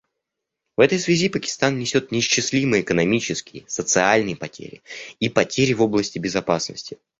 В этой связи Пакистан несет неисчислимые экономические, социальные потери и потери в области безопасности.